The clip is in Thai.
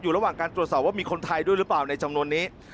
ระหว่างการตรวจสอบว่ามีคนไทยด้วยหรือเปล่าในจำนวนนี้